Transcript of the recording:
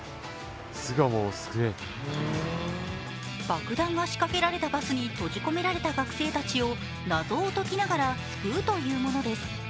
爆弾が仕掛けられたバスに閉じ込められた学生を謎を解きながら救うというものです。